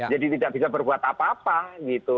jadi tidak bisa berbuat apa apa gitu